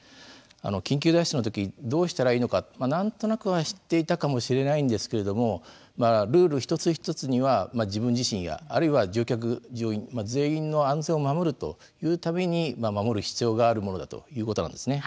緊急脱出の時どうしたらいいのか何となくは知っていたかもしれないんですけれどもルール一つ一つには自分自身やあるいは乗客・乗員全員の安全を守るというために守る必要があるものだということなんですね。